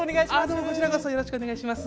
どうもこちらこそよろしくお願いします。